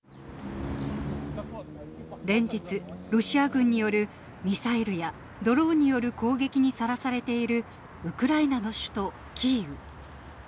連日、ロシア軍によるミサイルやドローンによる攻撃にさらされているウクライナの首都キーウ。